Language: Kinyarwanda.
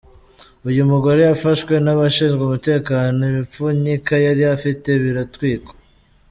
Uyu mugore yafashwe n’abashinzwe umutekano, ibipfunyika yari afite biratwikwa.